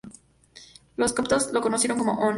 Los coptos la conocieron como "On".